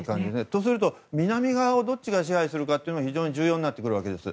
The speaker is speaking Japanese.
とすると南側をどっちが支配するかが重要になってくるわけです。